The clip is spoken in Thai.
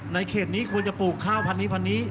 ในเขตนี้ควรจะปลูกข้าวพันธุ์นี้พันธุ์นี้